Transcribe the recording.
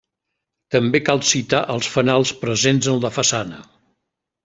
També cal citar els fanals presents en la façana.